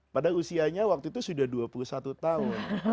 padahal usianya waktu itu sudah dua puluh satu tahun